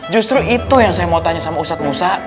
justru itu yang saya mau tanya sama ustadz musa